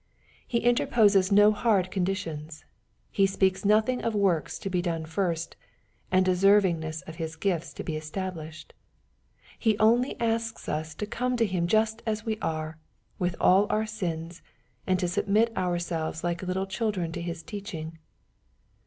He interposes no hard conditions. He speaks nothing of works to be done first, and deservingness of His gifts to be established. He only asks us to come to Him just as we are, with all our sins, and to submit ourselves like little children to His teaching.